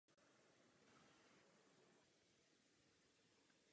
Nejvhodnější období pro její pozorování na večerní obloze je od února do srpna.